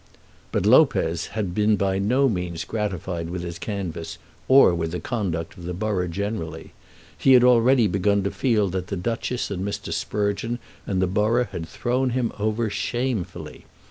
But Lopez had been by no means gratified with his canvass or with the conduct of the borough generally. He had already begun to feel that the Duchess and Mr. Sprugeon and the borough had thrown him over shamefully.